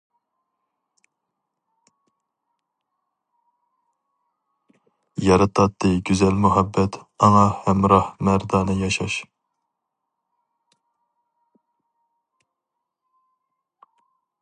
يارىتاتتى گۈزەل مۇھەببەت ئاڭا ھەمراھ مەردانە ياشاش.